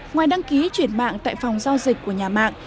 ngoài đăng ký chuyển mạng tại phòng giao dịch của nhà mạng